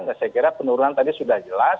saya kira penurunan tadi sudah jelas